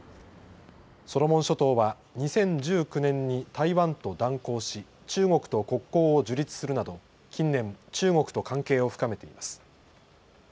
ソロモン諸島は２０１９年に台湾と断交し、中国と国交を樹立するなど近年、中国と関係を深めています。